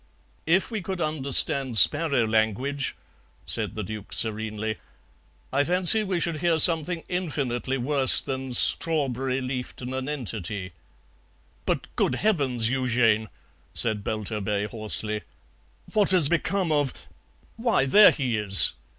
"If we could understand sparrow language," said the Duke serenely, "I fancy we should hear something infinitely worse than 'strawberry leafed nonentity.'" "But good Heavens, Eugène," said Belturbet hoarsely, "what has become of Why, there he is!